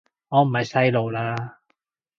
我唔係細路喇